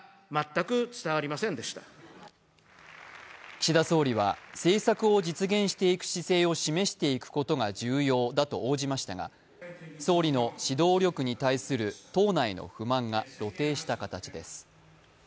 岸田総理は政策を実現していく姿勢を示していくことが重要だと応じましたが、総理の指導力に対する党内の不満が露呈した形です。